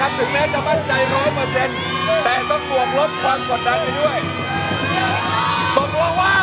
มันค่อนข้างจะกดตันนะครับถึงน่าจะมั่นใจ